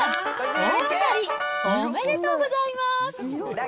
大当たりおめでとうございます。